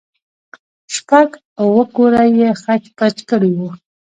شپږ اوه كوره يې خچ پچ كړي وو.